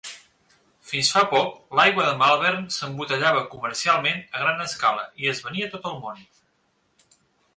Fins fa poc, l'aigua de Malvern s'embotellava comercialment a gran escala i es venia a tot el món.